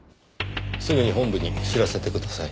すぐに本部に知らせてください。